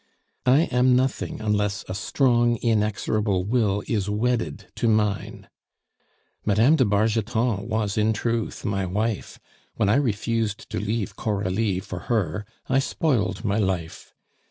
I am nothing unless a strong inexorable will is wedded to mine. Mme. de Bargeton was in truth my wife; when I refused to leave Coralie for her I spoiled my life.